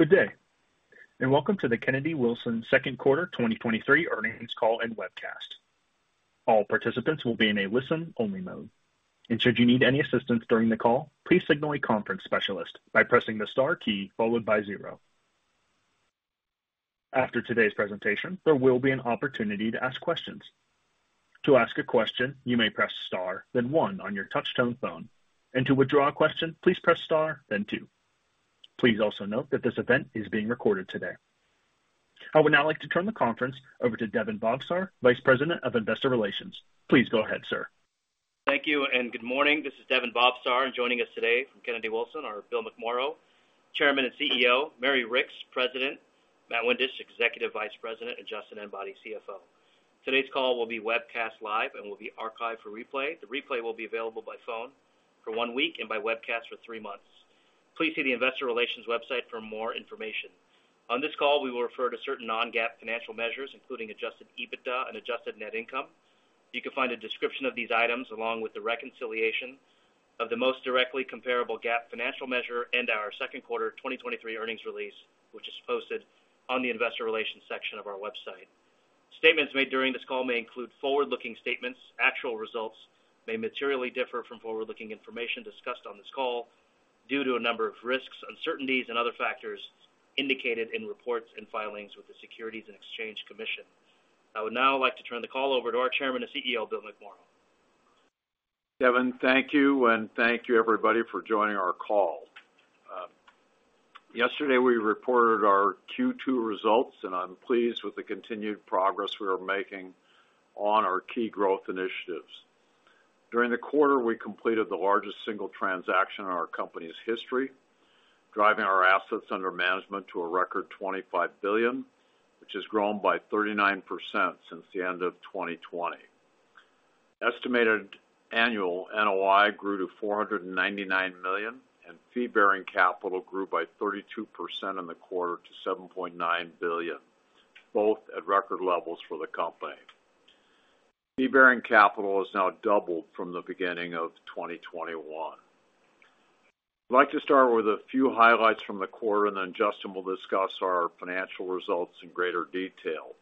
Good day, and welcome to the Kennedy-Wilson second quarter 2023 earnings call and webcast. All participants will be in a listen-only mode, and should you need any assistance during the call, please signal a conference specialist by pressing the Star key followed by 0. After today's presentation, there will be an opportunity to ask questions. To ask a question, you may press Star, then 1 on your touchtone phone, and to withdraw a question, please press Star, then 2. Please also note that this event is being recorded today. I would now like to turn the conference over to Daven Bhavsar, Vice President of Investor Relations. Please go ahead, sir. Thank you and good morning. This is Daven Bhavsar. Joining us today from Kennedy-Wilson are Bill McMorrow, Chairman and CEO, Mary Ricks, President, Matt Windisch, Executive Vice President, and Justin Enbody, CFO. Today's call will be webcast live and will be archived for replay. The replay will be available by phone for one week and by webcast for three months. Please see the investor relations website for more information. On this call, we will refer to certain Non-GAAP financial measures, including Adjusted EBITDA and Adjusted Net Income. You can find a description of these items along with the reconciliation of the most directly comparable GAAP financial measure and our second quarter 2023 earnings release, which is posted on the investor relations section of our website. Statements made during this call may include forward-looking statements. Actual results may materially differ from forward-looking information discussed on this call due to a number of risks, uncertainties, and other factors indicated in reports and filings with the Securities and Exchange Commission. I would now like to turn the call over to our Chairman and CEO, Bill McMorrow. Devin, thank you, and thank you everybody for joining our call. Yesterday, we reported our Q2 results, and I'm pleased with the continued progress we are making on our key growth initiatives. During the quarter, we completed the largest single transaction in our company's history, driving our assets under management to a record $25 billion, which has grown by 39% since the end of 2020. Estimated annual NOI grew to $499 million, and fee-bearing capital grew by 32% in the quarter to $7.9 billion, both at record levels for the company. Fee-bearing capital has now doubled from the beginning of 2021. I'd like to start with a few highlights from the quarter, and then Justin will discuss our financial results in greater detail.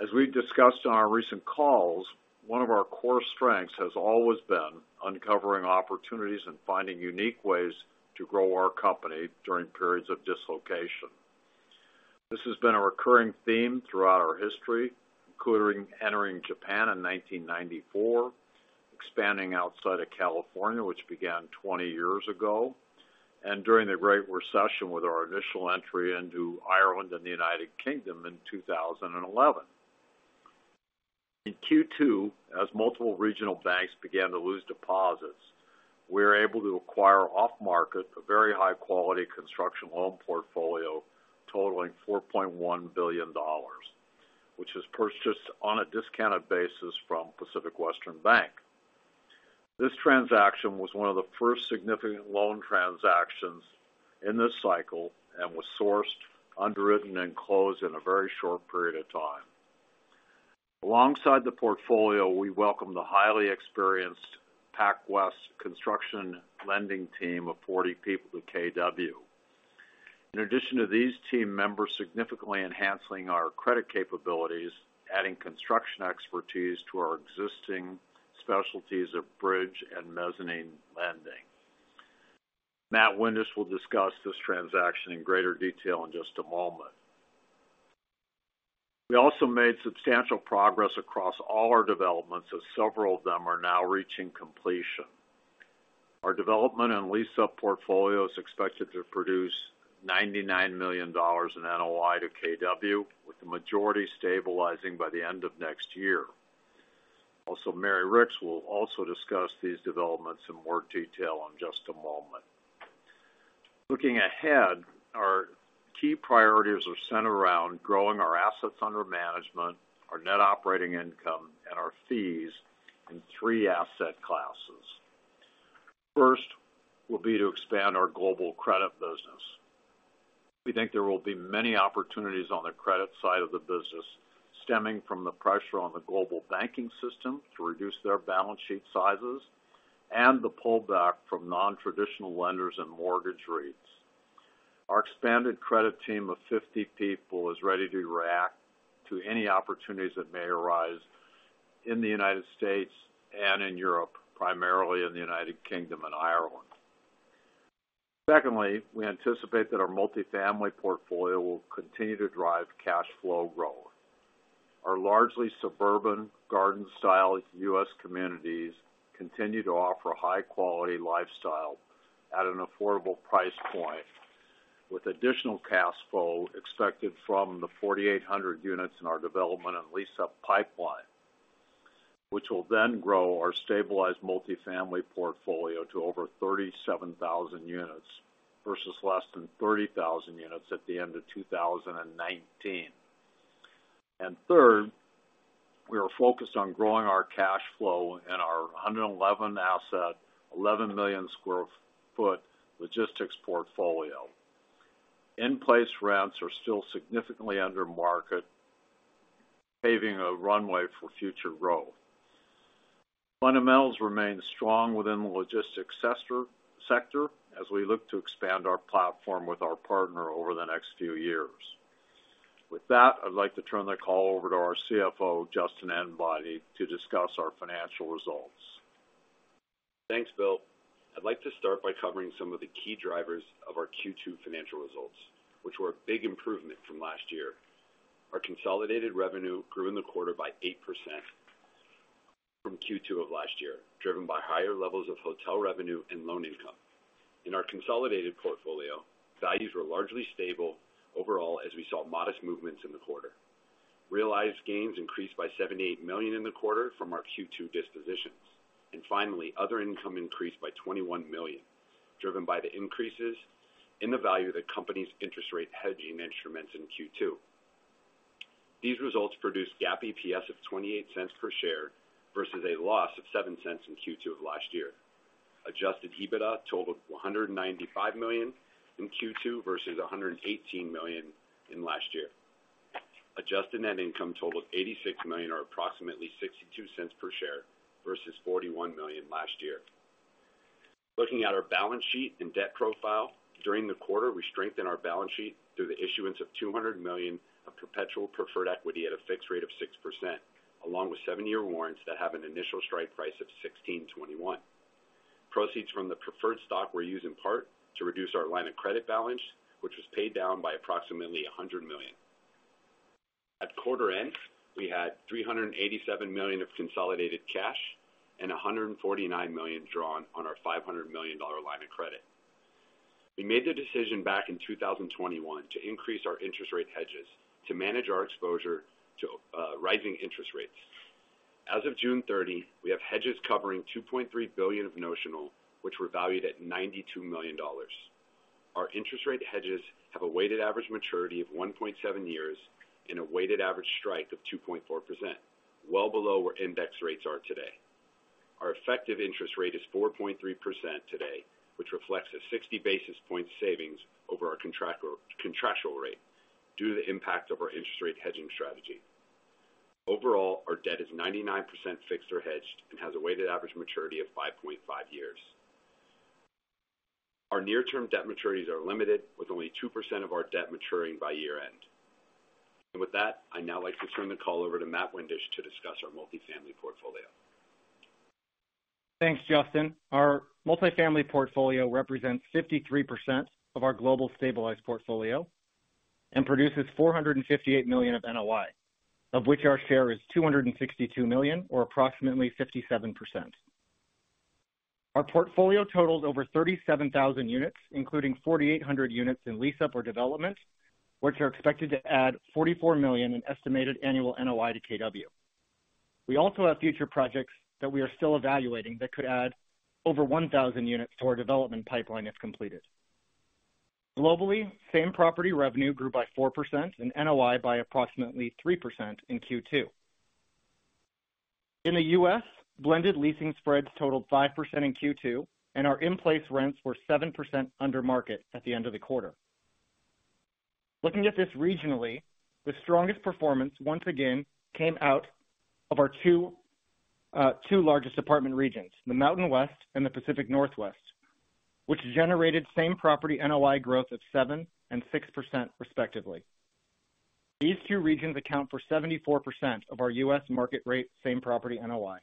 As we've discussed on our recent calls, one of our core strengths has always been uncovering opportunities and finding unique ways to grow our company during periods of dislocation. This has been a recurring theme throughout our history, including entering Japan in 1994, expanding outside of California, which began 20 years ago, and during the Great Recession, with our initial entry into Ireland and the United Kingdom in 2011. In Q2, as multiple regional banks began to lose deposits, we were able to acquire off-market, a very high-quality construction loan portfolio totaling $4.1 billion, which was purchased on a discounted basis from Pacific Western Bank. This transaction was one of the first significant loan transactions in this cycle and was sourced, underwritten, and closed in a very short period of time. Alongside the portfolio, we welcome the highly experienced PacWest construction lending team of 40 people to KW. In addition to these team members, significantly enhancing our credit capabilities, adding construction expertise to our existing specialties of bridge and mezzanine lending. Matt Windisch will discuss this transaction in greater detail in just a moment. We also made substantial progress across all our developments, as several of them are now reaching completion. Our development and lease-up portfolio is expected to produce $99 million in NOI to KW, with the majority stabilizing by the end of next year. Mary Ricks will also discuss these developments in more detail in just a moment. Looking ahead, our key priorities are centered around growing our assets under management, our net operating income, and our fees in 3 asset classes. First, will be to expand our global credit business. We think there will be many opportunities on the credit side of the business, stemming from the pressure on the global banking system to reduce their balance sheet sizes and the pullback from non-traditional lenders and mortgage rates. Our expanded credit team of 50 people is ready to react to any opportunities that may arise in the United States and in Europe, primarily in the United Kingdom and Ireland. Secondly, we anticipate that our multifamily portfolio will continue to drive cash flow growth. Our largely suburban, garden-style U.S. communities continue to offer a high-quality lifestyle at an affordable price point, with additional cash flow expected from the 4,800 units in our development and lease-up pipeline, which will then grow our stabilized multifamily portfolio to over 37,000 units versus less than 30,000 units at the end of 2019. Third, we are focused on growing our cash flow in our 111 asset, 11 million sq ft logistics portfolio. In-place rents are still significantly under market, paving a runway for future growth. Fundamentals remain strong within the logistics sector as we look to expand our platform with our partner over the next few years. With that, I'd like to turn the call over to our CFO, Justin Enbody, to discuss our financial results. Thanks, Bill. I'd like to start by covering some of the key drivers of our Q2 financial results, which were a big improvement from last year. Our consolidated revenue grew in the quarter by 8% from Q2 of last year, driven by higher levels of hotel revenue and loan income. In our consolidated portfolio, values were largely stable overall as we saw modest movements in the quarter. Realized gains increased by $78 million in the quarter from our Q2 dispositions. Finally, other income increased by $21 million, driven by the increases in the value of the company's interest rate hedging instruments in Q2. These results produced GAAP EPS of $0.28 per share versus a loss of $0.07 in Q2 of last year. Adjusted EBITDA totaled $195 million in Q2 versus $118 million in last year. Adjusted Net Income totaled $86 million, or approximately $0.62 per share versus $41 million last year. Looking at our balance sheet and debt profile, during the quarter, we strengthened our balance sheet through the issuance of $200 million of perpetual preferred equity at a fixed rate of 6%, along with 7-year warrants that have an initial strike price of 16.21. Proceeds from the preferred stock were used in part to reduce our line of credit balance, which was paid down by approximately $100 million. At quarter end, we had $387 million of consolidated cash and $149 million drawn on our $500 million line of credit. We made the decision back in 2021 to increase our interest rate hedges to manage our exposure to rising interest rates. As of June 30, we have hedges covering $2.3 billion of notional, which were valued at $92 million. Our interest rate hedges have a weighted average maturity of 1.7 years and a weighted average strike of 2.4%, well below where index rates are today. Our effective interest rate is 4.3% today, which reflects a 60 basis point savings over our contractual rate due to the impact of our interest rate hedging strategy. Overall, our debt is 99% fixed or hedged and has a weighted average maturity of 5.5 years. Our near-term debt maturities are limited, with only 2% of our debt maturing by year-end. With that, I'd now like to turn the call over to Matt Windisch to discuss our multifamily portfolio. Thanks, Justin. Our multifamily portfolio represents 53% of our global stabilized portfolio and produces $458 million of NOI, of which our share is $262 million, or approximately 57%. Our portfolio totals over 37,000 units, including 4,800 units in lease-up or development, which are expected to add $44 million in estimated annual NOI to KW. We also have future projects that we are still evaluating that could add over 1,000 units to our development pipeline if completed. Globally, same property revenue grew by 4% and NOI by approximately 3% in Q2. In the U.S., blended leasing spreads totaled 5% in Q2, and our in-place rents were 7% under market at the end of the quarter. Looking at this regionally, the strongest performance once again came out of our 2 largest apartment regions, the Mountain West and the Pacific Northwest, which generated same property NOI growth of 7% and 6% respectively. These 2 regions account for 74% of our U.S. market rate same property NOI.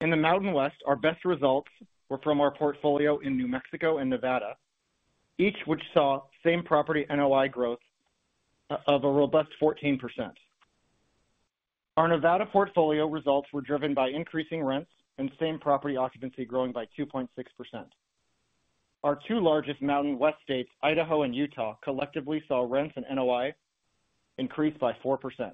In the Mountain West, our best results were from our portfolio in New Mexico and Nevada, each which saw same property NOI growth of a robust 14%. Our Nevada portfolio results were driven by increasing rents and same property occupancy growing by 2.6%. Our 2 largest Mountain West states, Idaho and Utah, collectively saw rents and NOI increase by 4%.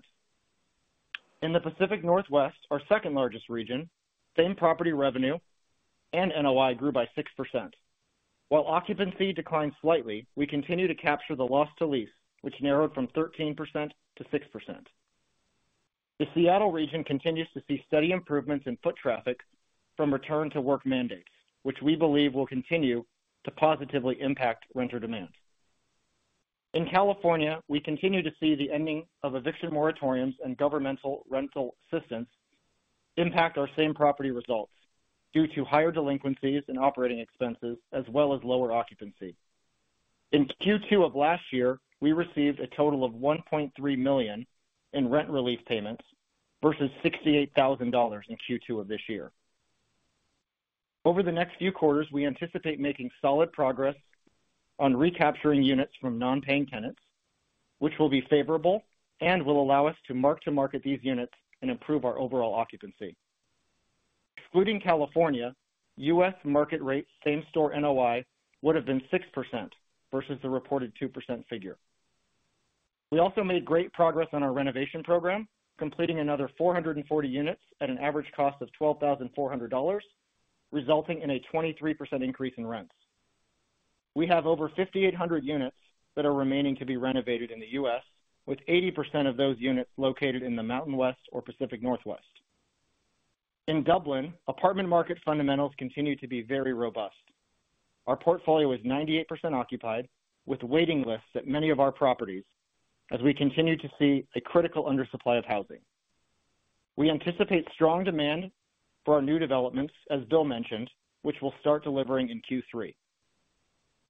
In the Pacific Northwest, our second-largest region, same property revenue and NOI grew by 6%. While occupancy declined slightly, we continue to capture the loss to lease, which narrowed from 13% to 6%. The Seattle region continues to see steady improvements in foot traffic from return to work mandates, which we believe will continue to positively impact renter demand. In California, we continue to see the ending of eviction moratoriums and governmental rental assistance impact our same property results due to higher delinquencies and operating expenses, as well as lower occupancy. In Q2 of last year, we received a total of $1.3 million in rent relief payments versus $68,000 in Q2 of this year. Over the next few quarters, we anticipate making solid progress on recapturing units from non-paying tenants, which will be favorable and will allow us to mark-to-market these units and improve our overall occupancy. Excluding California, U.S. market rate same-store NOI would have been 6% versus the reported 2% figure. We also made great progress on our renovation program, completing another 440 units at an average cost of $12,400, resulting in a 23% increase in rents. We have over 5,800 units that are remaining to be renovated in the U.S., with 80% of those units located in the Mountain West or Pacific Northwest. In Dublin, apartment market fundamentals continue to be very robust. Our portfolio is 98% occupied, with waiting lists at many of our properties as we continue to see a critical undersupply of housing. We anticipate strong demand for our new developments, as Bill mentioned, which will start delivering in Q3.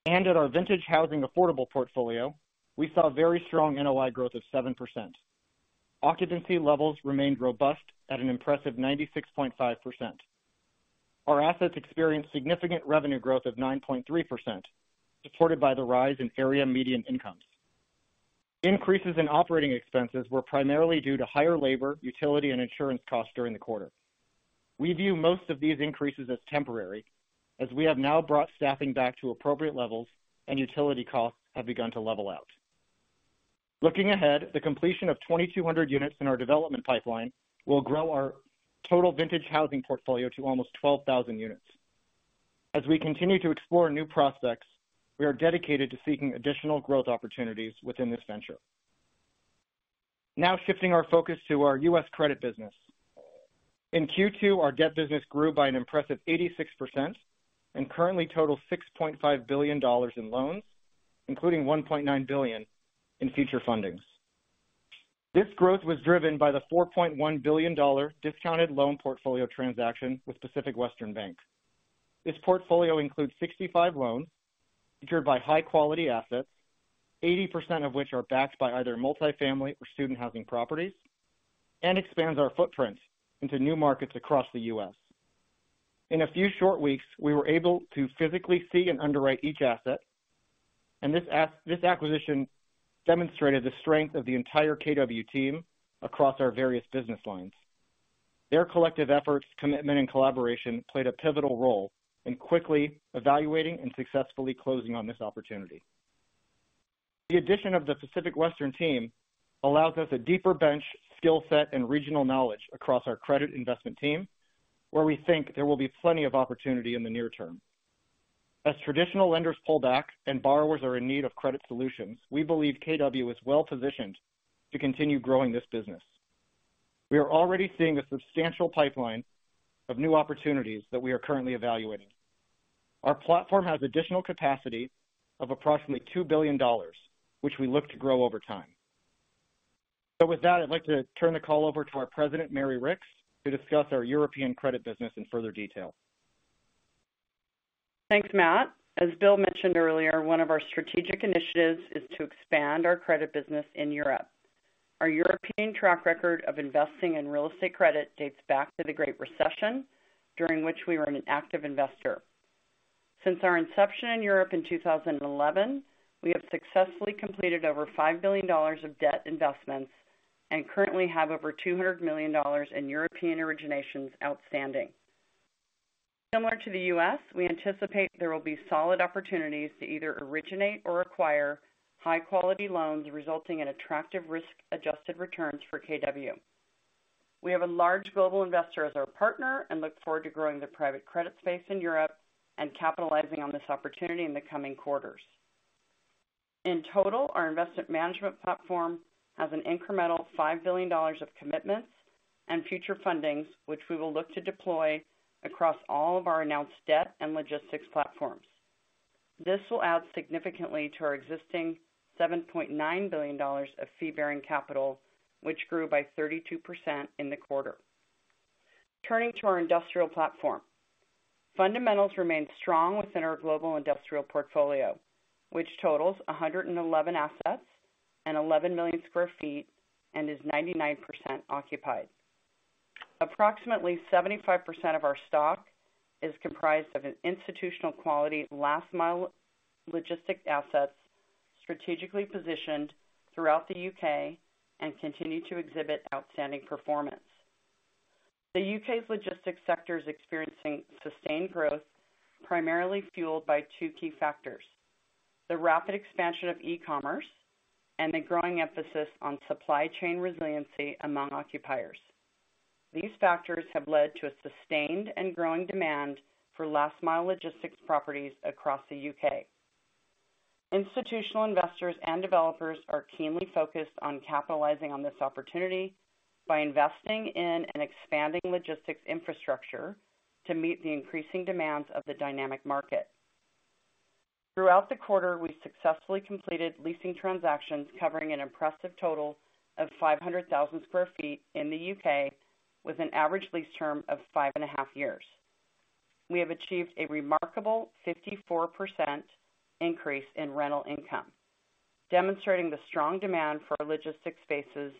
At our Vintage Housing Affordable portfolio, we saw very strong NOI growth of 7%. Occupancy levels remained robust at an impressive 96.5%. Our assets experienced significant revenue growth of 9.3%, supported by the rise in area median incomes. Increases in operating expenses were primarily due to higher labor, utility, and insurance costs during the quarter. We view most of these increases as temporary, as we have now brought staffing back to appropriate levels and utility costs have begun to level out. Looking ahead, the completion of 2,200 units in our development pipeline will grow our total Vintage Housing portfolio to almost 12,000 units. As we continue to explore new prospects, we are dedicated to seeking additional growth opportunities within this venture. Shifting our focus to our U.S. credit business. In Q2, our debt business grew by an impressive 86% and currently totals $6.5 billion in loans, including $1.9 billion in future fundings. This growth was driven by the $4.1 billion discounted loan portfolio transaction with Pacific Western Bank. This portfolio includes 65 loans secured by high-quality assets, 80% of which are backed by either multifamily or student housing properties, and expands our footprint into new markets across the U.S. In a few short weeks, we were able to physically see and underwrite each asset, this acquisition demonstrated the strength of the entire KW team across our various business lines. Their collective efforts, commitment, and collaboration played a pivotal role in quickly evaluating and successfully closing on this opportunity. The addition of the Pacific Western team allows us a deeper bench, skill set, and regional knowledge across our credit investment team, where we think there will be plenty of opportunity in the near term. As traditional lenders pull back and borrowers are in need of credit solutions, we believe KW is well positioned to continue growing this business. We are already seeing a substantial pipeline of new opportunities that we are currently evaluating. Our platform has additional capacity of approximately $2 billion, which we look to grow over time. With that, I'd like to turn the call over to our President, Mary Ricks, to discuss our European credit business in further detail. Thanks, Matt. As Bill mentioned earlier, one of our strategic initiatives is to expand our credit business in Europe. Our European track record of investing in real estate credit dates back to the Great Recession, during which we were an active investor. Since our inception in Europe in 2011, we have successfully completed over $5 billion of debt investments and currently have over $200 million in European originations outstanding. Similar to the U.S., we anticipate there will be solid opportunities to either originate or acquire high-quality loans, resulting in attractive risk-adjusted returns for KW. We have a large global investor as our partner and look forward to growing the private credit space in Europe and capitalizing on this opportunity in the coming quarters. In total, our investment management platform has an incremental $5 billion of commitments and future fundings, which we will look to deploy across all of our announced debt and logistics platforms. This will add significantly to our existing $7.9 billion of fee-bearing capital, which grew by 32% in the quarter. Turning to our industrial platform. Fundamentals remained strong within our global industrial portfolio, which totals 111 assets and 11 million sq ft and is 99% occupied. Approximately 75% of our stock is comprised of an institutional quality, last mile logistic assets strategically positioned throughout the U.K. and continue to exhibit outstanding performance. The U.K.'s logistics sector is experiencing sustained growth, primarily fueled by two key factors: the rapid expansion of e-commerce and the growing emphasis on supply chain resiliency among occupiers. These factors have led to a sustained and growing demand for last mile logistics properties across the U.K. Institutional investors and developers are keenly focused on capitalizing on this opportunity by investing in an expanding logistics infrastructure to meet the increasing demands of the dynamic market. Throughout the quarter, we successfully completed leasing transactions covering an impressive total of 500,000 sq ft in the U.K., with an average lease term of 5.5 years. We have achieved a remarkable 54% increase in rental income, demonstrating the strong demand for logistics spaces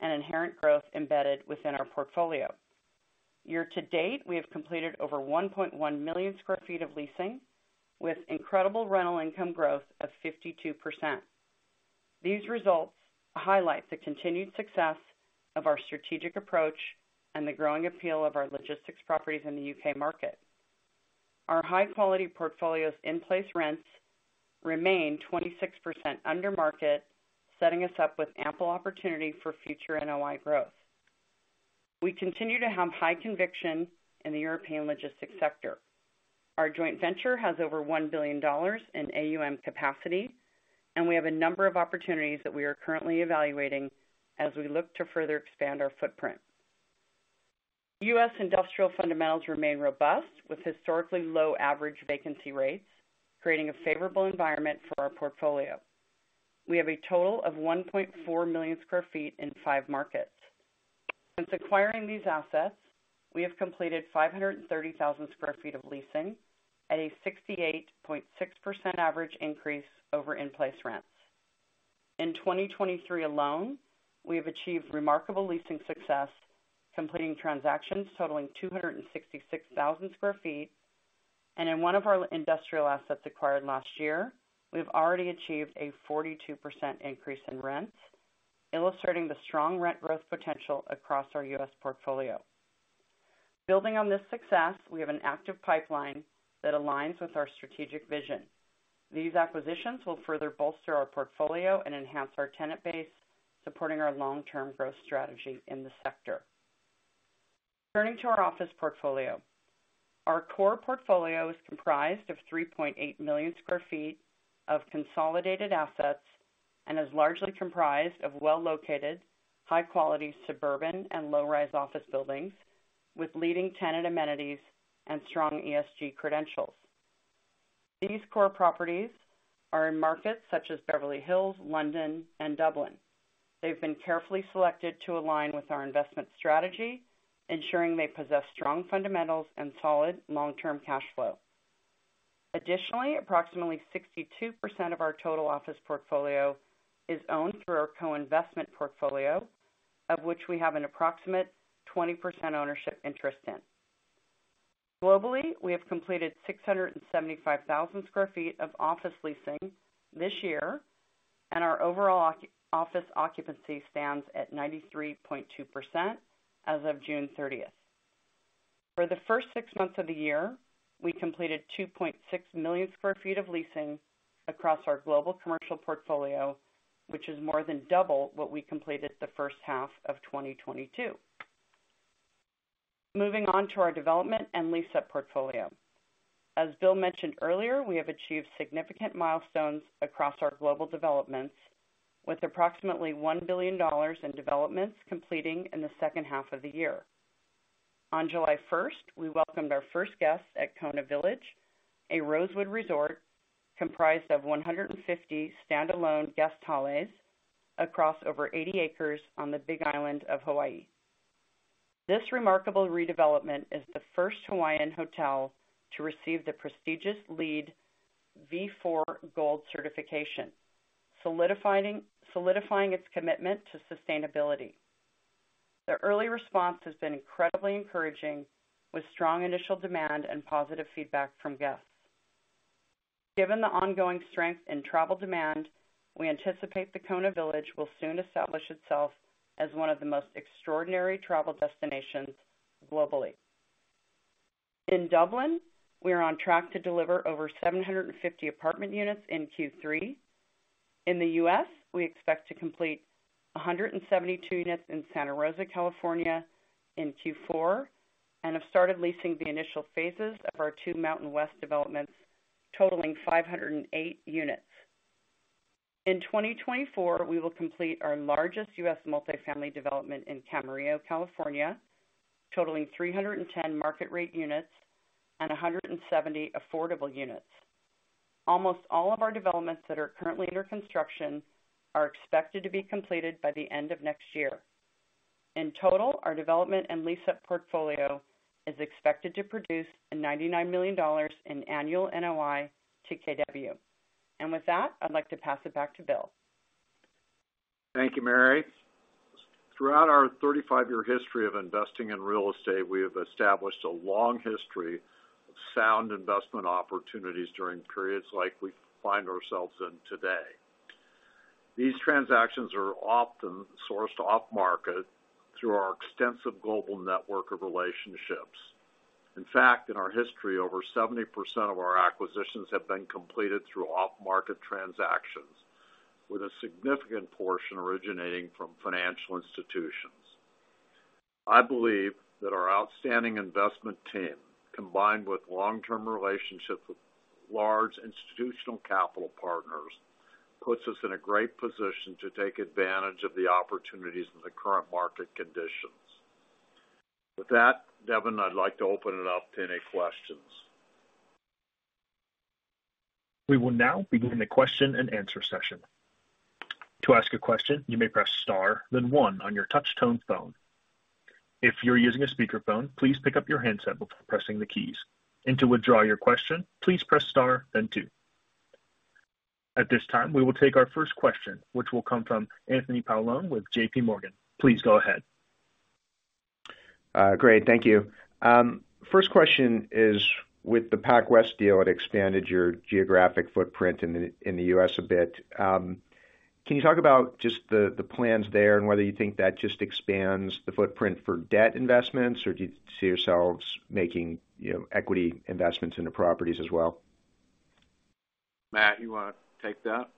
and inherent growth embedded within our portfolio. Year to date, we have completed over 1.1 million sq ft of leasing with incredible rental income growth of 52%. These results highlight the continued success of our strategic approach and the growing appeal of our logistics properties in the U.K. market. Our high-quality portfolios in-place rents remain 26% under market, setting us up with ample opportunity for future NOI growth. We continue to have high conviction in the European logistics sector. Our joint venture has over $1 billion in AUM capacity, and we have a number of opportunities that we are currently evaluating as we look to further expand our footprint. U.S. industrial fundamentals remain robust, with historically low average vacancy rates, creating a favorable environment for our portfolio. We have a total of 1.4 million sq ft in five markets. Since acquiring these assets, we have completed 530,000 sq ft of leasing at a 68.6% average increase over in-place rents. In 2023 alone, we have achieved remarkable leasing success, completing transactions totaling 266,000 sq ft. In one of our industrial assets acquired last year, we've already achieved a 42% increase in rent, illustrating the strong rent growth potential across our U.S. portfolio. Building on this success, we have an active pipeline that aligns with our strategic vision. These acquisitions will further bolster our portfolio and enhance our tenant base, supporting our long-term growth strategy in the sector. Turning to our office portfolio. Our core portfolio is comprised of 3.8 million sq ft of consolidated assets and is largely comprised of well-located, high-quality suburban and low-rise office buildings, with leading tenant amenities and strong ESG credentials. These core properties are in markets such as Beverly Hills, London, and Dublin. They've been carefully selected to align with our investment strategy, ensuring they possess strong fundamentals and solid long-term cash flow. Additionally, approximately 62% of our total office portfolio is owned through our co-investment portfolio, of which we have an approximate 20% ownership interest in. Globally, we have completed 675,000 sq ft of office leasing this year, and our overall office occupancy stands at 93.2% as of June 30th. For the first 6 months of the year, we completed 2.6 million sq ft of leasing across our global commercial portfolio, which is more than double what we completed the first half of 2022. Moving on to our development and lease-up portfolio. As Bill mentioned earlier, we have achieved significant milestones across our global developments, with approximately $1 billion in developments completing in the second half of the year. On July 1st, we welcomed our first guests at Kona Village, a Rosewood Resort comprised of 150 standalone guest hale across over 80 acres on the Big Island of Hawaii. This remarkable redevelopment is the first Hawaiian hotel to receive the prestigious LEED v4 Gold certification, solidifying its commitment to sustainability. The early response has been incredibly encouraging, with strong initial demand and positive feedback from guests. Given the ongoing strength in travel demand, we anticipate the Kona Village will soon establish itself as one of the most extraordinary travel destinations globally. In Dublin, we are on track to deliver over 750 apartment units in Q3. In the U.S., we expect to complete 172 units in Santa Rosa, California, in Q4, and have started leasing the initial phases of our two Mountain West developments, totaling 508 units. In 2024, we will complete our largest U.S. multifamily development in Camarillo, California, totaling 310 market rate units and 170 affordable units. Almost all of our developments that are currently under construction are expected to be completed by the end of next year. In total, our development and lease-up portfolio is expected to produce $99 million in annual NOI to KW. With that, I'd like to pass it back to Bill. Thank you, Mary. Throughout our 35-year history of investing in real estate, we have established a long history of sound investment opportunities during periods like we find ourselves in today. These transactions are often sourced off-market through our extensive global network of relationships. In fact, in our history, over 70% of our acquisitions have been completed through off-market transactions, with a significant portion originating from financial institutions. I believe that our outstanding investment team, combined with long-term relationships with large institutional capital partners, puts us in a great position to take advantage of the opportunities in the current market conditions. With that, Devin, I'd like to open it up to any questions. We will now begin the question-and-answer session. To ask a question, you may press star, then one on your touch tone phone. If you're using a speakerphone, please pick up your handset before pressing the keys. And to withdraw your question, please press star then two. At this time, we will take our first question, which will come from Anthony Paolone with J.P. Morgan. Please go ahead. Great. Thank you. First question is, with the PacWest deal, it expanded your geographic footprint in the U.S. a bit. Can you talk about just the, the plans there and whether you think that just expands the footprint for debt investments, or do you see yourselves making, you know, equity investments in the properties as well? Matt, you want to take that?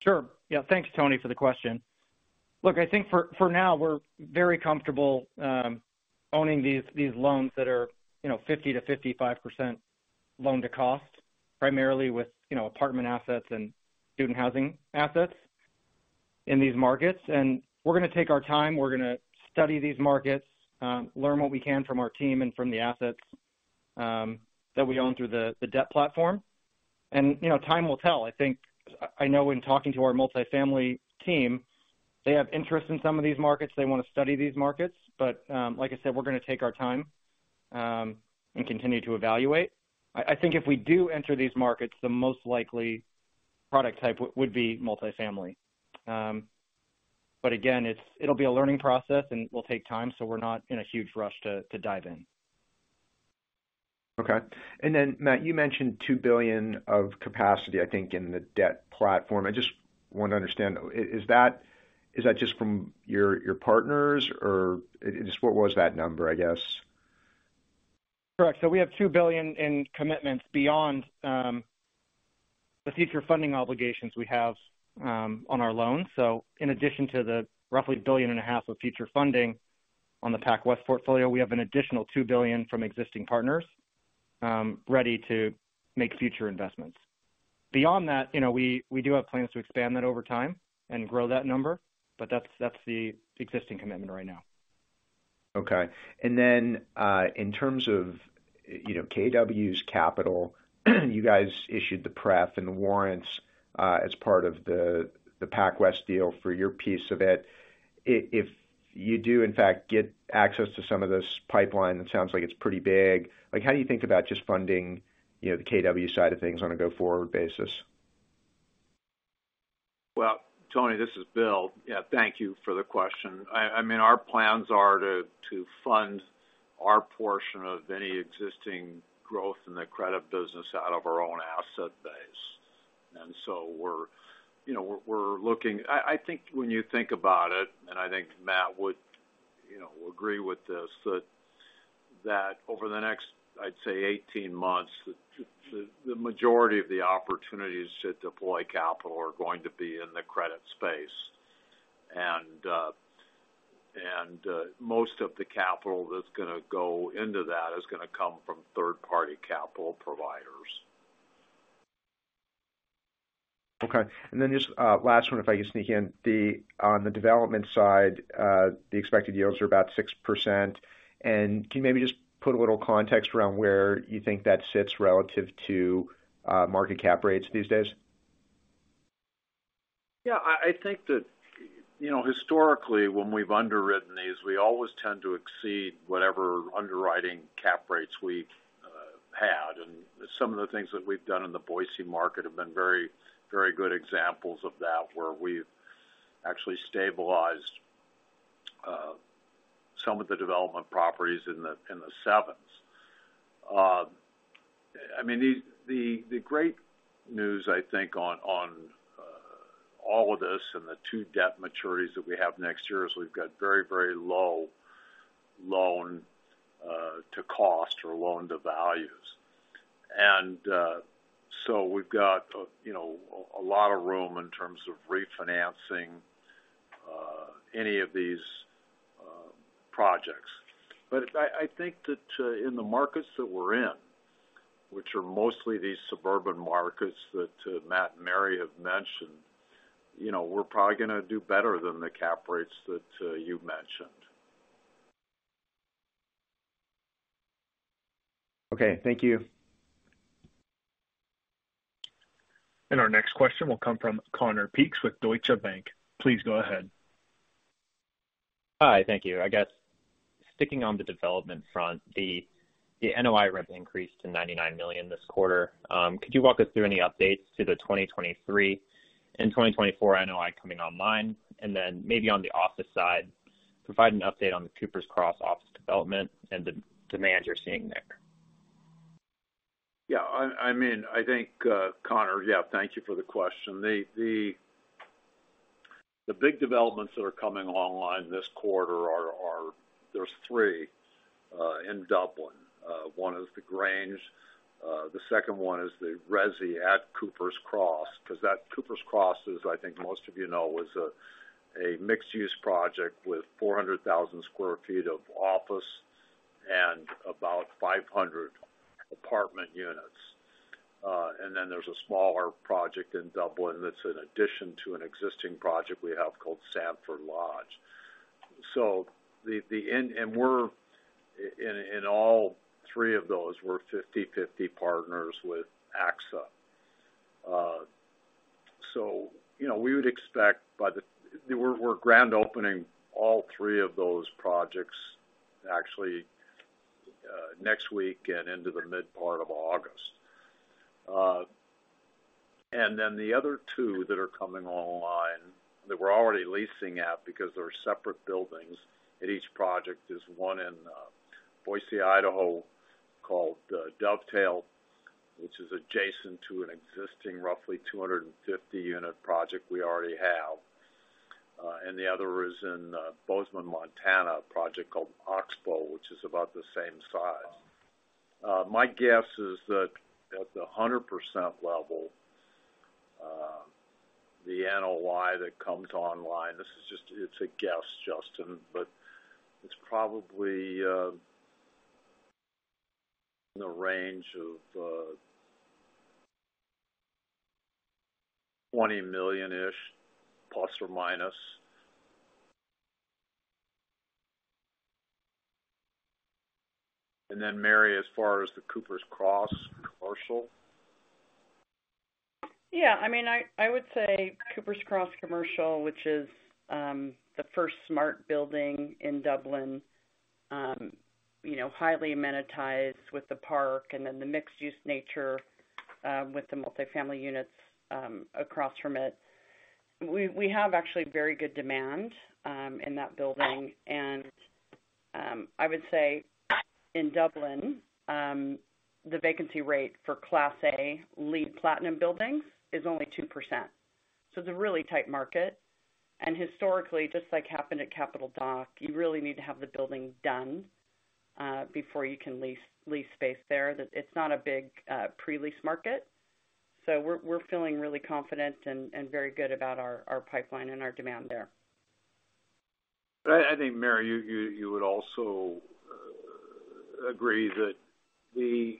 Sure. Yeah. Thanks, Tony, for the question. Look, I think for, for now, we're very comfortable owning these, these loans that are, you know, 50%-55% loan-to-cost, primarily with, you know, apartment assets and student housing assets. in these markets, and we're gonna take our time. We're gonna study these markets, learn what we can from our team and from the assets, that we own through the debt platform. You know, time will tell. I think, I, I know in talking to our multifamily team, they have interest in some of these markets. They want to study these markets. But, like I said, we're gonna take our time, and continue to evaluate. I, I think if we do enter these markets, the most likely product type would be multifamily. But again, it'll be a learning process, and it will take time, so we're not in a huge rush to, to dive in. Okay. Then, Matt, you mentioned $2 billion of capacity, I think, in the debt platform. I just want to understand, is that, is that just from your, your partners, or just what was that number, I guess? Correct. We have $2 billion in commitments beyond the future funding obligations we have on our loans. In addition to the roughly $1.5 billion of future funding on the PacWest portfolio, we have an additional $2 billion from existing partners ready to make future investments. Beyond that, you know, we, we do have plans to expand that over time and grow that number, but that's, that's the existing commitment right now. Okay. In terms of, you know, KW's capital, you guys issued the pref and the warrants, as part of the, the PacWest deal for your piece of it. If, if you do, in fact, get access to some of this pipeline, it sounds like it's pretty big. Like, how do you think about just funding, you know, the KW side of things on a go-forward basis? Well, Anthony Paolone, this is Bill McMorrow. Yeah, thank you for the question. I, I mean, our plans are to, to fund our portion of any existing growth in the credit business out of our own asset base. So we're, you know, we're, we're looking. I, I think when you think about it, and I think Matt Windisch would, you know, agree with this, that, that over the next, I'd say 18 months, the, the, the majority of the opportunities to deploy capital are going to be in the credit space. Most of the capital that's gonna go into that is gonna come from third-party capital providers. Okay. Then just last one, if I can sneak in. On the development side, the expected yields are about 6%. Can you maybe just put a little context around where you think that sits relative to market cap rates these days? Yeah, I, I think that, you know, historically, when we've underwritten these, we always tend to exceed whatever underwriting cap rates we've had. Some of the things that we've done in the Boise market have been very, very good examples of that, where we've actually stabilized, some of the development properties in the, in the 7s. I mean, the, the great news, I think, on, on, all of this and the 2 debt maturities that we have next year is we've got very, very low loan-to-cost or loan-to-value. So we've got, you know, a lot of room in terms of refinancing, any of these projects. I, I think that in the markets that we're in, which are mostly these suburban markets that Matt and Mary have mentioned, you know, we're probably gonna do better than the cap rates that you mentioned. Okay, thank you. Our next question will come from Conor Peaks with Deutsche Bank. Please go ahead. Hi, thank you. I guess, sticking on the development front, the, the NOI rev increased to $99 million this quarter. Could you walk us through any updates to the 2023 and 2024 NOI coming online? Then maybe on the office side, provide an update on the Cooper's Cross office development and the demand you're seeing there. Yeah, I mean, I think, Connor, yeah, thank you for the question. The big developments that are coming online this quarter are 3 in Dublin. One is The Grange. The second one is the resi at Cooper's Cross, because that Cooper's Cross is, I think most of you know, is a mixed-use project with 400,000 sq ft of office and about 500 apartment units. Then there's a smaller project in Dublin that's an addition to an existing project we have called Sandford Lodge. We're in all 3 of those, we're 50/50 partners with AXA. You know, we would expect by the. We're grand opening all 3 of those projects actually next week and into the mid part of August. The other two that are coming online, that we're already leasing at because they're separate buildings, and each project is one in Boise, Idaho, called Dovetail, which is adjacent to an existing roughly 250 unit project we already have. The other is in Bozeman, Montana, a project called Oxbow, which is about the same size. My guess is that at the 100% level, the NOI that comes online, this is just, it's a guess, Justin, but it's probably in the range of $20 million-ish, plus or minus. Mary, as far as the Cooper's Cross Commercial? Yeah, I mean, I, I would say Cooper's Cross Commercial, which is the first smart building in Dublin, you know, highly amenitized with the park and then the mixed-use nature, with the multifamily units, across from it. We, we have actually very good demand in that building. I would say in Dublin, the vacancy rate for Class A LEED Platinum buildings is only 2%. It's a really tight market, and historically, just like happened at Capital Dock, you really need to have the building done before you can lease, lease space there. That it's not a big pre-lease market. We're, we're feeling really confident and, and very good about our, our pipeline and our demand there. I think, Mary, you would also agree that the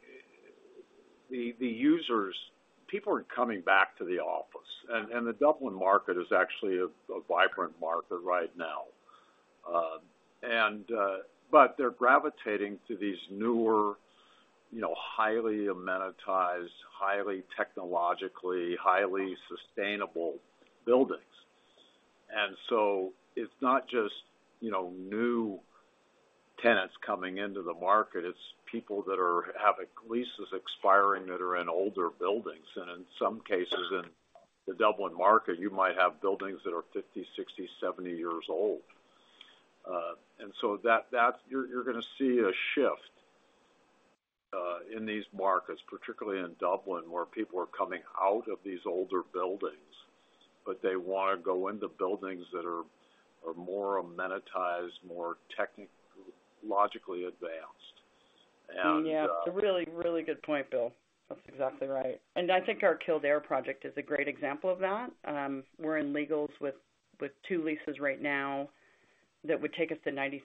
users-- people are coming back to the office, and the Dublin market is actually a vibrant market right now. They're gravitating to these newer, you know, highly amenitized, highly technologically, highly sustainable buildings. So it's not just, you know, new tenants coming into the market, it's people that have leases expiring that are in older buildings. In some cases, in the Dublin market, you might have buildings that are 50, 60, 70 years old. So that's... You're gonna see a shift in these markets, particularly in Dublin, where people are coming out of these older buildings, but they wanna go into buildings that are more amenitized, more technologically advanced. Yeah, it's a really, really good point, Bill. That's exactly right. I think our Kildare project is a great example of that. We're in legals with, with 2 leases right now that would take us to 96%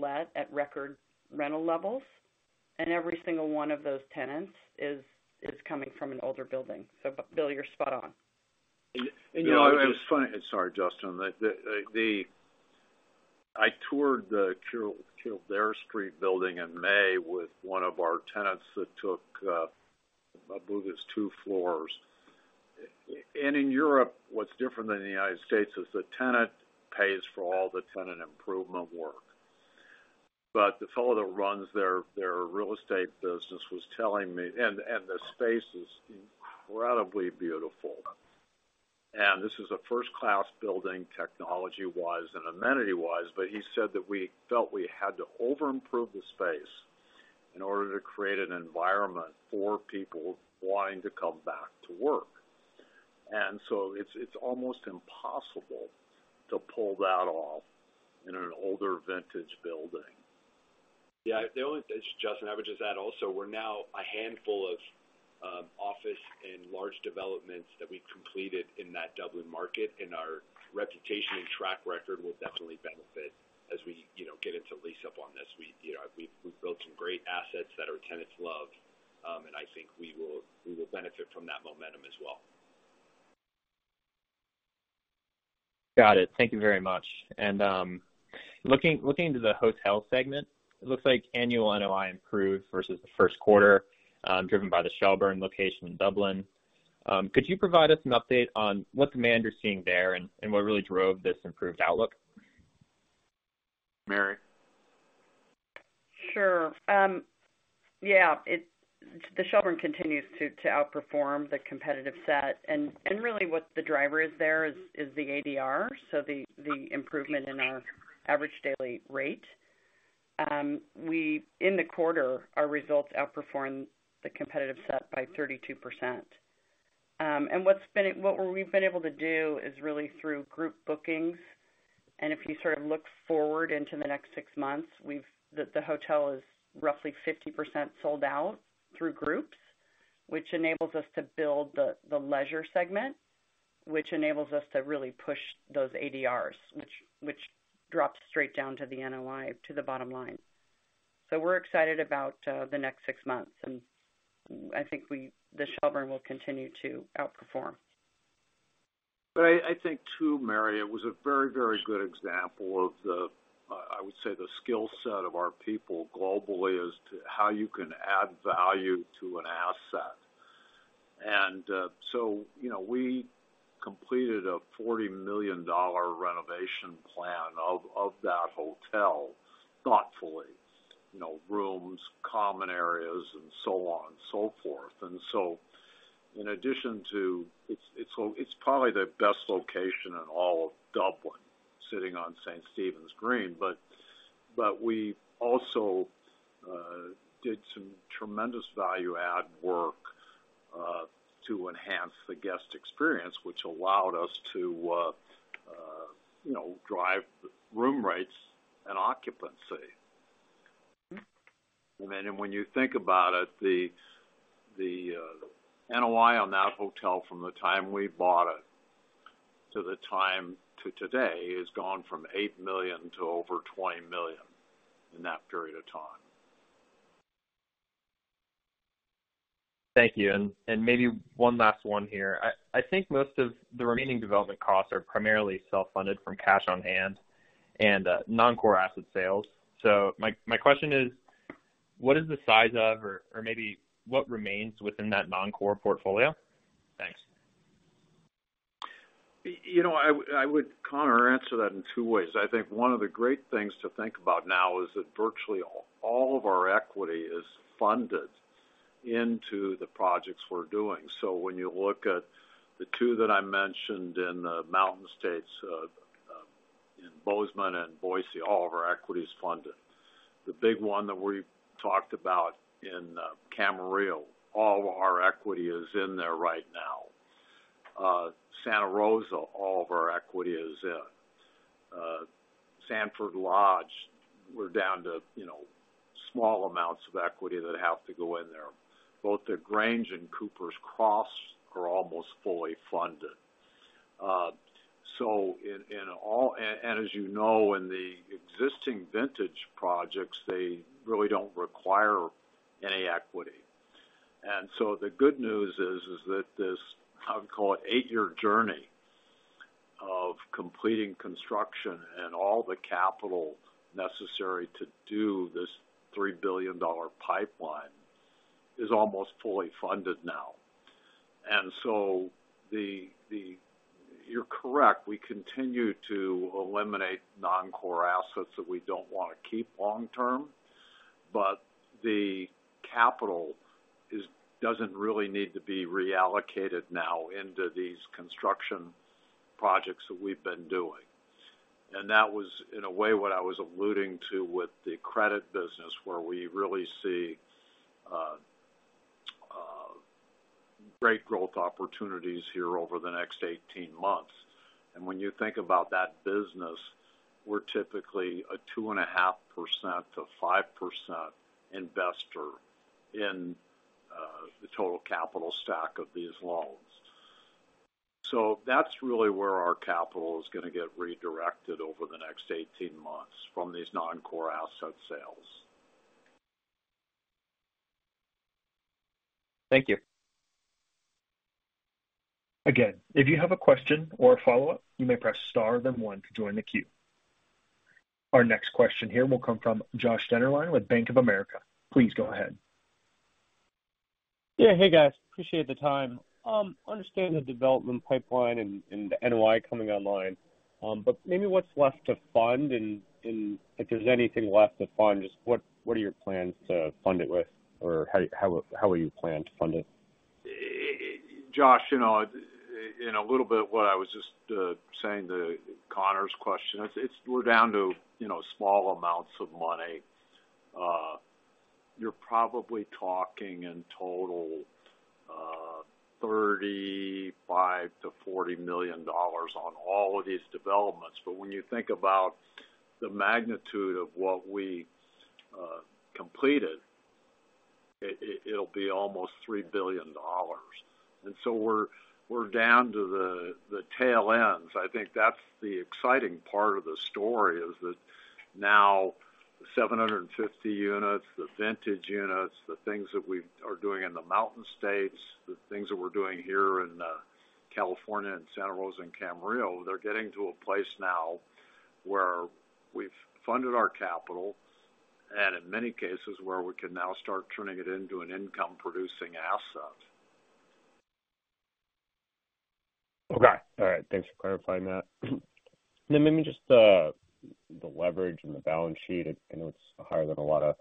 let at record rental levels, and every single one of those tenants is, is coming from an older building. Bill, you're spot on. You know, it was funny. Sorry, Justin. I toured the Kildare Street building in May with one of our tenants that took, I believe it's two floors. In Europe, what's different than the United States is the tenant pays for all the tenant improvement work. The fellow that runs their real estate business was telling me. The space is incredibly beautiful. This is a first-class building, technology-wise and amenity-wise. He said that we felt we had to over-improve the space in order to create an environment for people wanting to come back to work. So it's, it's almost impossible to pull that off in an older vintage building. Yeah, it's Justin. I would just add also, we're now a handful of office and large developments that we've completed in that Dublin market. Our reputation and track record will definitely benefit as we, you know, get into lease up on this. We, you know, we've, we've built some great assets that our tenants love, and I think we will, we will benefit from that momentum as well. Got it. Thank you very much. Looking, looking to the hotel segment, it looks like annual NOI improved versus the first quarter, driven by the Shelbourne location in Dublin. Could you provide us an update on what demand you're seeing there and, and what really drove this improved outlook? Mary? Sure. Yeah, it's the Shelbourne continues to outperform the competitive set, and really what the driver is there is the ADR, so the improvement in our average daily rate. We in the quarter, our results outperformed the competitive set by 32%. And what we've been able to do is really through group bookings, and if you sort of look forward into the next 6 months, we've the hotel is roughly 50% sold out through groups, which enables us to build the leisure segment, which enables us to really push those ADRs, which drops straight down to the NOI, to the bottom line. We're excited about the next 6 months, and I think we the Shelbourne will continue to outperform. I, I think, too, Mary, it was a very, very good example of the, I would say, the skill set of our people globally as to how you can add value to an asset. So, you know, we completed a $40 million renovation plan of, of that hotel thoughtfully. You know, rooms, common areas, and so on and so forth. So in addition to, it's, it's, it's probably the best location in all of Dublin, sitting on St. Stephen's Green. We also did some tremendous value add work to enhance the guest experience, which allowed us to, you know, drive room rates and occupancy. Then when you think about it, the, the, NOI on that hotel from the time we bought it The time to today has gone from $8 million to over $20 million in that period of time. Thank you. Maybe one last one here. I think most of the remaining development costs are primarily self-funded from cash on hand and non-core asset sales. My question is: What is the size of, or maybe what remains within that non-core portfolio? Thanks. You know, I would, I would, Connor, answer that in two ways. I think one of the great things to think about now is that virtually all, all of our equity is funded into the projects we're doing. When you look at the two that I mentioned in the Mountain States, in Bozeman and Boise, all of our equity is funded. The big one that we talked about in Camarillo, all of our equity is in there right now. Santa Rosa, all of our equity is in. Sandford Lodge, we're down to, you know, small amounts of equity that have to go in there. Both The Grange and Cooper's Cross are almost fully funded. As you know, in the existing Vintage projects, they really don't require any equity. The good news is, is that this, I would call it eight-year journey of completing construction and all the capital necessary to do this $3 billion pipeline is almost fully funded now. You're correct, we continue to eliminate non-core assets that we don't want to keep long term, but the capital is, doesn't really need to be reallocated now into these construction projects that we've been doing. That was, in a way, what I was alluding to with the credit business, where we really see great growth opportunities here over the next 18 months. When you think about that business, we're typically a 2.5%-5% investor in the total capital stack of these loans. That's really where our capital is going to get redirected over the next 18 months from these non-core asset sales. Thank you. Again, if you have a question or a follow-up, you may press star, then one to join the queue. Our next question here will come from Josh Dennerlein with Bank of America. Please go ahead. Yeah. Hey, guys, appreciate the time. understanding the development pipeline and, and the NOI coming online, but maybe what's left to fund, and, and if there's anything left to fund, just what, what are your plans to fund it with? Or how, how, how will you plan to fund it? Josh, you know, in a little bit of what I was just saying to Connor's question, it's, it's we're down to, you know, small amounts of money. You're probably talking in total $35 million-$40 million on all of these developments. When you think about the magnitude of what we completed, it, it, it'll be almost $3 billion. So we're, we're down to the, the tail ends. I think that's the exciting part of the story, is that now the 750 units, the Vintage units, the things that we are doing in the Mountain States, the things that we're doing here in California and Santa Rosa and Camarillo, they're getting to a place now where we've funded our capital, and in many cases, where we can now start turning it into an income-producing asset. Okay. All right. Thanks for clarifying that. Maybe just the, the leverage and the balance sheet. I know it's higher than a lot of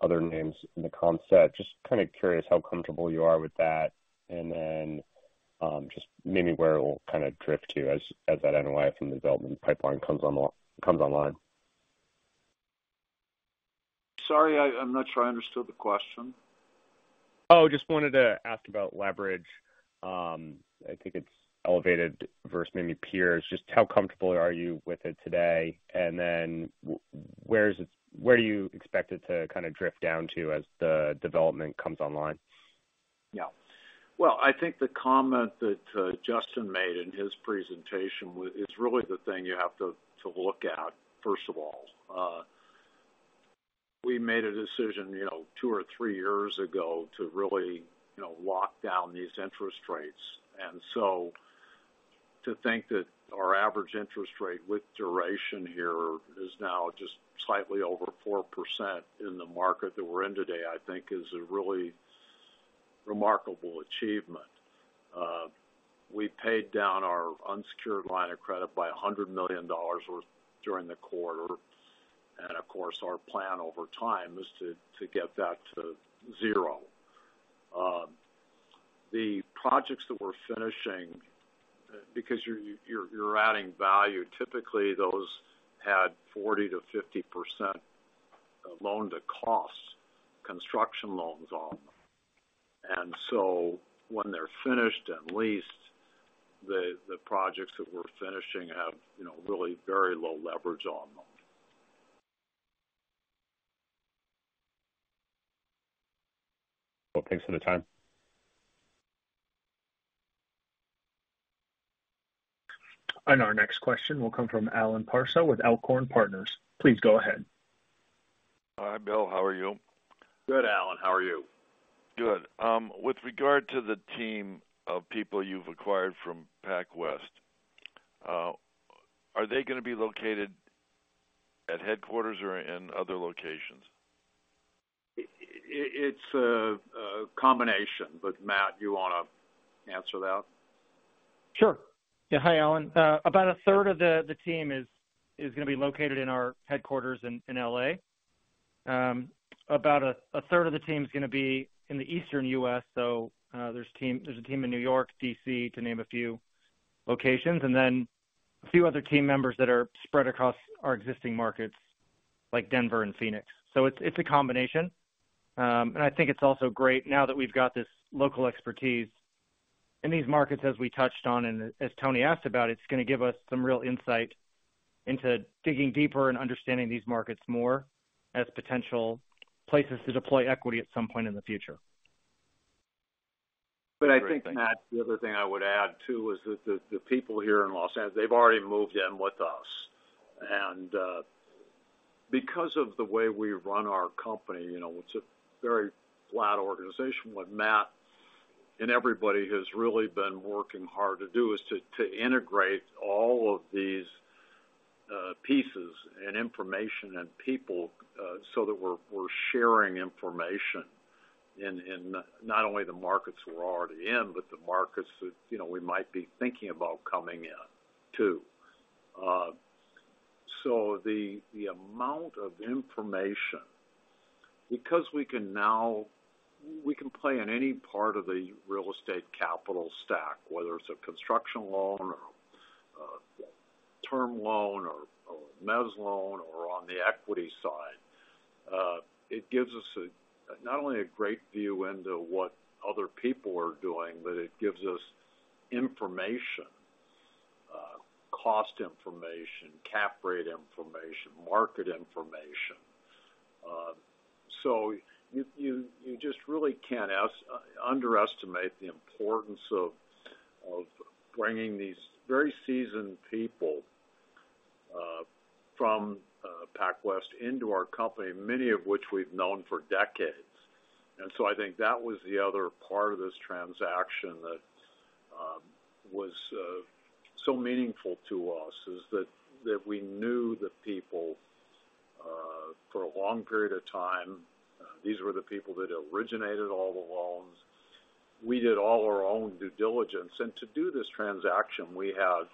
other names in the concept. Just kind of curious how comfortable you are with that, and then, just maybe where it will kind of drift to as, as that NOI from the development pipeline comes online. Sorry, I, I'm not sure I understood the question. Oh, just wanted to ask about leverage. I think it's elevated versus maybe peers. Just how comfortable are you with it today? Then where do you expect it to kind of drift down to as the development comes online? Yeah. Well, I think the comment that Justin made in his presentation is really the thing you have to, to look at, first of all. We made a decision, you know, two or three years ago to really, you know, lock down these interest rates. To think that our average interest rate with duration here is now just slightly over 4% in the market that we're in today, I think is a really remarkable achievement. We paid down our unsecured line of credit by $100 million worth during the quarter, of course, our plan over time is to, to get that to zero. The projects that we're finishing, because you're, you're, you're adding value, typically, those had 40%-50% loan-to-cost, construction loans on them. So when they're finished and leased, the projects that we're finishing have, you know, really very low leverage on them. Thanks for the time. Our next question will come from Alain Piallat with Alcorn Partners. Please go ahead. Hi, Bill. How are you? Good, Alan. How are you? Good. With regard to the team of people you've acquired from PacWest, are they gonna be located at headquarters or in other locations? It's a combination, but Matt, you wanna answer that? Sure. Yeah, hi, Alain Piallat. About a third of the team is gonna be located in our headquarters in L.A. About a third of the team is gonna be in the Eastern U.S. There's a team in New York, D.C., to name a few locations, and then a few other team members that are spread across our existing markets, like Denver and Phoenix. It's a combination. I think it's also great now that we've got this local expertise in these markets, as we touched on and as Tony asked about, it's gonna give us some real insight into digging deeper and understanding these markets more as potential places to deploy equity at some point in the future. I think, Matt, the other thing I would add, too, is that the people here in Los Angeles, they've already moved in with us. Because of the way we run our company, you know, it's a very flat organization. What Matt and everybody has really been working hard to do is to integrate all of these pieces and information and people so that we're sharing information in not only the markets we're already in, but the markets that, you know, we might be thinking about coming in, too. The amount of information, because we can now we can play in any part of the real estate capital stack, whether it's a construction loan or term loan or a mezz loan or on the equity side, it gives us a, not only a great view into what other people are doing, but it gives us information, cost information, cap rate information, market information. You just really can't underestimate the importance of bringing these very seasoned people from PacWest into our company, many of which we've known for decades. I think that was the other part of this transaction that was so meaningful to us, is that we knew the people for a long period of time. These were the people that originated all the loans. We did all our own due diligence, to do this transaction, we had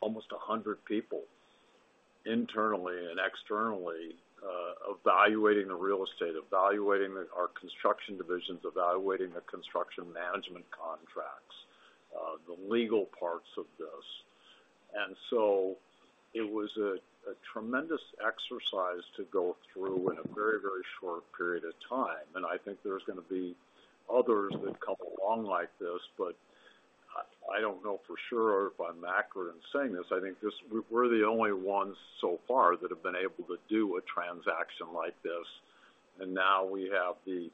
almost 100 people internally and externally, evaluating the real estate, evaluating our construction divisions, evaluating the construction management contracts, the legal parts of this. So it was a tremendous exercise to go through in a very, very short period of time. I think there's gonna be others that come along like this, but I, I don't know for sure if I'm accurate in saying this. I think this we're, we're the only ones so far that have been able to do a transaction like this, and now we have the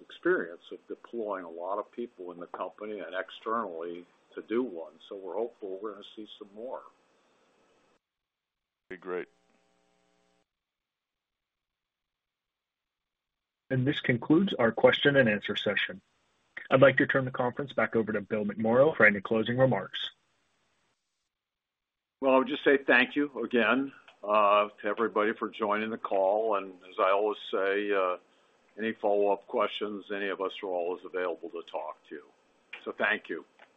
experience of deploying a lot of people in the company and externally to do one. So we're hopeful we're gonna see some more. Be great. This concludes our question-and-answer session. I'd like to turn the conference back over to Bill McMorrow for any closing remarks. Well, I'll just say thank you again, to everybody for joining the call, and as I always say, any follow-up questions, any of us are always available to talk to. Thank you.